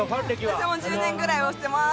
私も１０年ぐらい推してます。